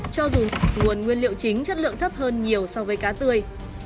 cho dù nguồn nguyên liệu chính chất lượng thấp hơn nhiều so với cá tươi